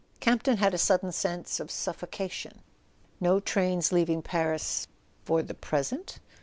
Campton had a sudden sense of suffocation. No trains leaving Paris "for the present"?